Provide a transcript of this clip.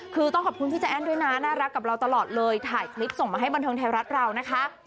คือต้องขอบคุณพี่ใจแอดด้วยนะและน่ารักกับเราตลอดเลยไขลปส่งมาให้บนธรรมราชเรานะคะ